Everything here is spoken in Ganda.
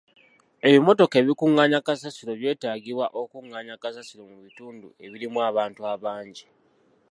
Ebimmotoka ebikungaanya kasasiro by'etaagibwa okukungaanya kasasiro mu bitundu ebirimu abantu abangi.